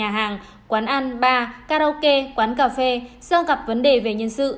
các nhà hàng quán ăn bar karaoke quán cà phê do gặp vấn đề về nhân sự